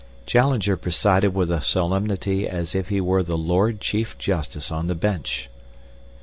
Challenger presided with a solemnity as if he were the Lord Chief Justice on the Bench.